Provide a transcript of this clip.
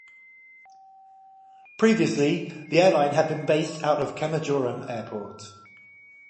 Previously, the airline had been based out of Kemajoran Airport.